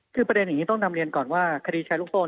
คือประเด็นอย่างนี้ต้องนำเรียนก่อนว่าคดีแชร์ลูกโซ่